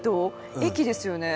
駅ですよね。